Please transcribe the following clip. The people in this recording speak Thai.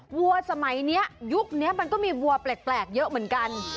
วัวสมัยนี้ยุคนี้มันก็มีวัวแปลกเยอะเหมือนกัน